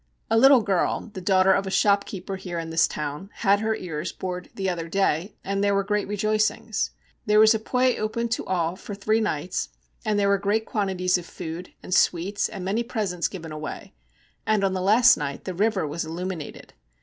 A little girl, the daughter of a shopkeeper here in this town, had her ears bored the other day, and there were great rejoicings. There was a pwè open to all for three nights, and there were great quantities of food, and sweets, and many presents given away, and on the last night the river was illuminated.